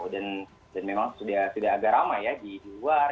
dan memang sudah agak ramai ya di luar